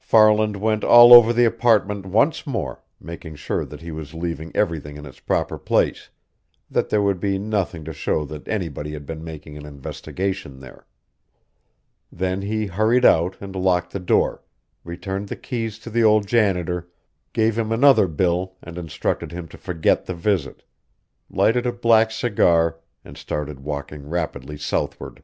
Farland went all over the apartment once more, making sure that he was leaving everything in its proper place, that there would be nothing to show that anybody had been making an investigation there. Then he hurried out and locked the door, returned the keys to the old janitor, gave him another bill and instructed him to forget the visit, lighted a black cigar, and started walking rapidly southward.